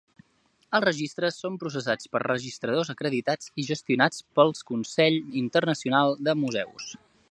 Els registres són processats per registradors acreditats i gestionats pel Consell Internacional de Museus.